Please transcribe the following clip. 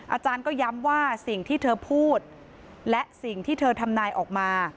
อาจารย์ก็ย้ำว่าสิ่งที่เธอพูดและสิ่งที่เธอทำนายออกมา